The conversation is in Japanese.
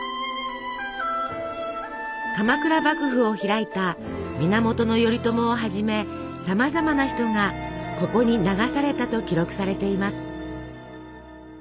鎌倉幕府を開いた源頼朝をはじめさまざまな人がここに流されたと記録されています。